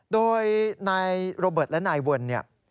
โดยนายโรเบิร์ตและนายเวิร์นเนี่ย